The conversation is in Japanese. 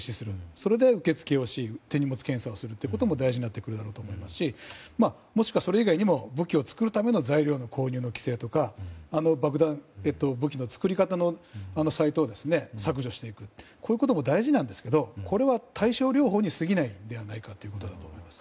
それで受け付けをして手荷物検査をすることも大事だろうと思いますしそれ以外にも武器を作るための材料の購入の規制とか爆弾・武器の作り方のサイトを削除していくということも大事ですがこれは対処療法にすぎないと思います。